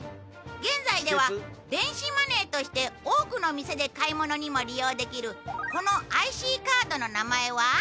現在では電子マネーとして多くの店で買い物にも利用できるこのＩＣカードの名前は？